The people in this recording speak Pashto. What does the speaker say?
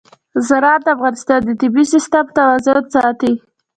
زراعت د افغانستان د طبعي سیسټم توازن ساتي.